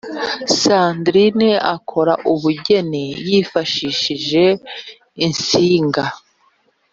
sandrine akora ubugeni yifashishije insinga